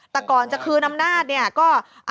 แต่ก่อนจะคืนอำนาจเนี่ยก็